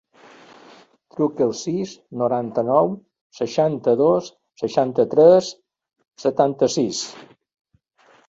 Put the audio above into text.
Truca al sis, noranta-nou, seixanta-dos, seixanta-tres, setanta-sis.